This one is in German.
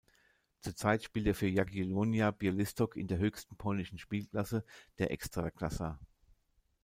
Zurzeit spielt er für Jagiellonia Białystok in der höchsten polnischen Spielklasse, der Ekstraklasa.